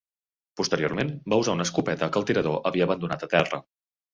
Posteriorment, va usar una escopeta que el tirador havia abandonat a terra.